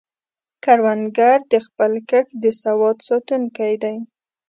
کروندګر د خپل کښت د سواد ساتونکی دی